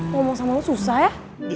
ngomong sama aku susah ya